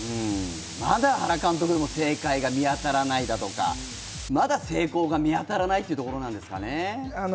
まだ原監督でも正解が見つからないだとかまだ成功が見当たらないというところなんですかね？